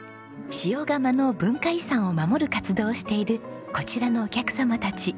塩竈の文化遺産を守る活動をしているこちらのお客様たち。